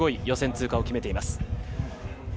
予選通過を決めています。